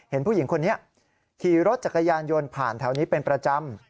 เห็นผู้หญิงคนนี้ขี่รถจักรยานยนต์ผ่านแถวนี้เป็นประจำ